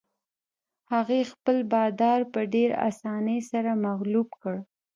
هغې خپل بادار په ډېرې اسانۍ سره مغلوب کړ.